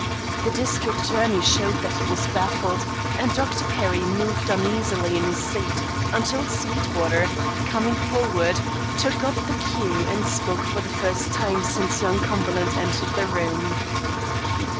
The district attorney showed that he was baffled, and Dr. Perry moved uneasily in his seat, until Sweetwater, coming forward, took up the cue and spoke for the first time since young Cumberland entered the room.